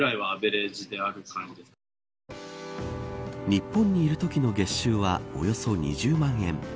日本にいるときの月収はおよそ２０万円。